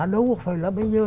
đâu có phải là bây giờ